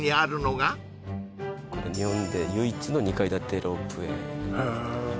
日本で唯一の２階建てロープウェイへえ